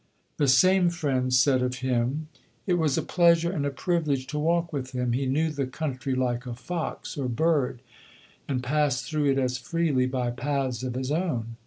The same friend said of him: "It was a pleasure and a privilege to walk with him. He knew the country like a fox or bird, and passed through it as freely by paths of his own.